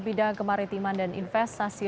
bidang kemaritiman dan investasi